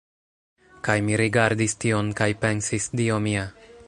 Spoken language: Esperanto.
Kaj mi rigardis tion kaj pensis, "Dio mia!"